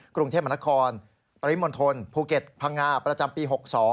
กรุงเทพมนครปริมณฑลภูเก็ตพังงาประจำปี๖๒